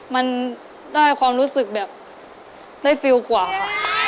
มันได้ความรู้สึกแบบได้ฟิลกว่าค่ะ